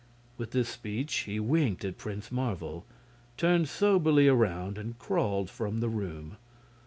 With this speech he winked at Prince Marvel, turned soberly around and crawled from the room.